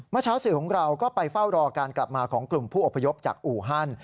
เช้าสื่อของเราก็ไปเฝ้ารอการกลับมาของกลุ่มผู้อพยพจากอู่ฮัน